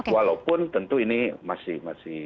walaupun tentu ini masih